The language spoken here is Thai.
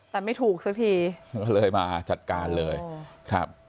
แต่ไม่ถูกสักทีก็เลยมาจัดการเลยครับ